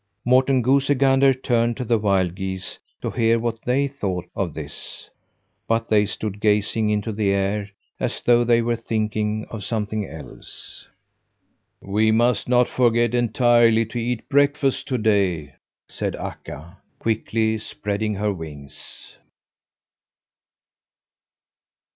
Morten Goosey Gander turned to the wild geese to hear what they thought of this; but they stood gazing into the air, as though they were thinking of something else. "We must not forget entirely to eat breakfast today," said Akka, quickly spreading her wings.